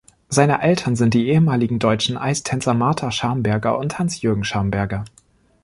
Seine Eltern sind die ehemaligen deutschen Eistänzer Martha Schamberger und Hans-Jürgen Schamberger.